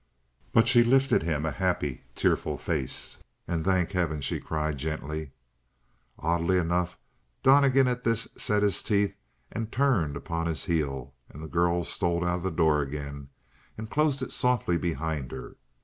But she lifted him a happy, tearful face. "Ah, thank heaven!" she cried gently. Oddly enough, Donnegan at this set his teeth and turned upon his heel, and the girl stole out the door again, and closed it softly behind her.